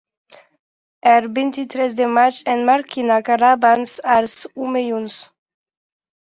El vint-i-tres de maig en Marc i na Carla van als Omellons.